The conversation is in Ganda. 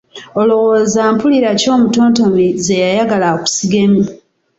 Olowooza mpulira ki omutontomi ze yayagala akusigemu?